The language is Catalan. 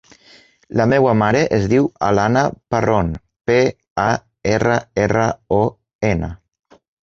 La meva mare es diu Alana Parron: pe, a, erra, erra, o, ena.